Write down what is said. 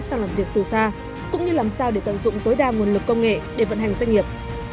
sang làm việc từ xa cũng như làm sao để tận dụng tối đa nguồn lực công nghệ để vận hành doanh nghiệp